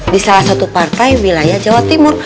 di salah satu partai wilayah jawa timur